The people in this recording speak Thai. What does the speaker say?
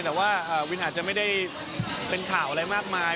แต่ว่าวินอาจจะไม่ได้เป็นข่าวอะไรมากมาย